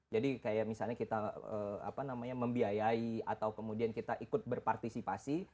jadi kayak misalnya kita apa namanya membiayai atau kemudian kita ikut berpartisipasi